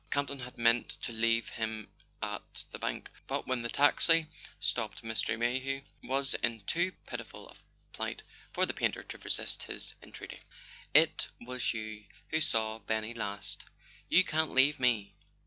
Campton had meant to leave him at the bank; but when the taxi stopped Mr. Mayhew was in too pitiful a plight for the painter to resist his entreaty. [ 204 ] A SON AT THE FRONT "It was you who saw Benny last—you can't leave me!"